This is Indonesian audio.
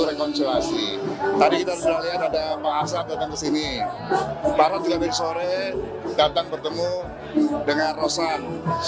rekonstruksi tadi kita lihat ada bahasa tetapi sini para juga besok datang bertemu dengan rosan